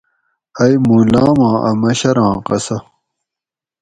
ائ موں لاماں اۤ مشراں قصہ